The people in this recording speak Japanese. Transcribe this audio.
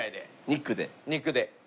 肉で。